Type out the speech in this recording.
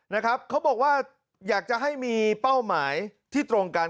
นะครับเขาบอกว่าอยากจะให้มีเป้าหมายที่ตรงกัน